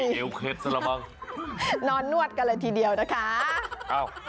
เฮ้ยนอนนวดกันเลยทีเดียวนะคะเอ้า